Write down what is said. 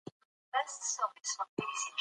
خبرو اترو کښې مو ترې پوښتنه وکړه